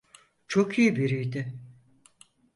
Çok iyi biriydi.